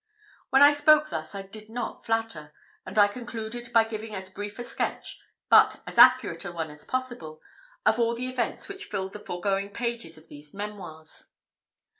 When I spoke thus I did not flatter; and I concluded by giving as brief a sketch, but as accurate a one as possible, of all the events which fill the foregoing pages of these memoirs.